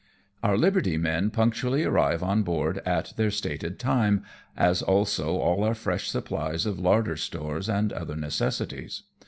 Our liberty men punctually arrive on board at tbeir stated time, as also all our fresh supplies of larder stores and other necessaries.